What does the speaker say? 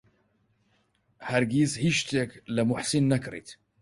هەرگیز هیچ شتێک لە موحسین نەکڕیت.